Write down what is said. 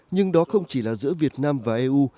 nhưng đó không chỉ là giữa việt nam và eu